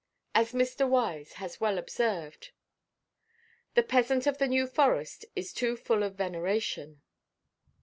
As Mr. Wise has well observed, "the peasant of the New Forest is too full of veneration."